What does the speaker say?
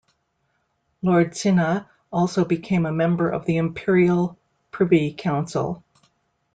Lord Sinha also became a member of the Imperial Privy Council.